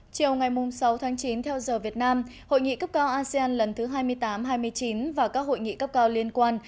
chiều ngày sáu tháng chín theo giờ việt nam hội nghị cấp cao asean lần thứ hai mươi tám hai mươi chín và các hội nghị cấp cao liên quan